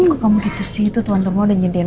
kok kamu gitu sih itu tuan tuan lo udah nyediain